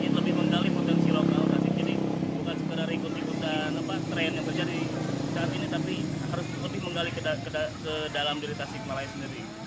jadi bukan sekedar ikut ikutan tren yang terjadi saat ini tapi harus lebih menggali ke dalam dari tasik malaya sendiri